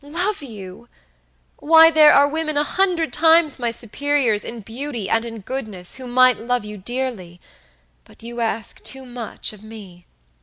Love you! Why, there are women a hundred times my superiors in beauty and in goodness who might love you dearly; but you ask too much of me!